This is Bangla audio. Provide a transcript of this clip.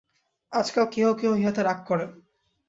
আজকাল কেহ কেহ ইহাতে রাগ করেন।